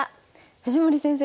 藤森先生